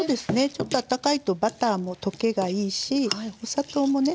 ちょっとあったかいとバターも溶けがいいしお砂糖もね溶けますからね。